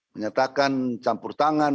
menyatakan campur tangan